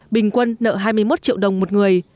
bình quân nợ hai mươi một triệu đồng một người